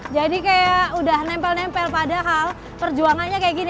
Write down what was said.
jadi kayak sudah nempel nempel padahal perjuangannya kayak gini